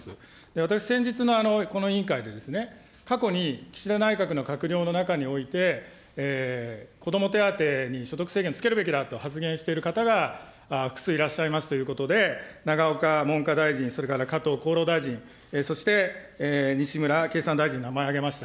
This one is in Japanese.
私、先日のこの委員会で、過去に岸田内閣の閣僚の中において、子ども手当に所得制限つけるべきだと発言している方が複数いらっしゃいますということで、永岡文科大臣、それから加藤厚労大臣、そして西村経産大臣の名前を挙げました。